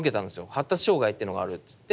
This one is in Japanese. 発達障害ってのがあるっつって。